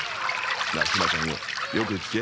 なあひまちゃんよよく聞け。